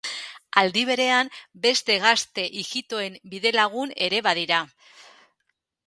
Aldi berean, beste gazte ijitoen bidelagun ere badira.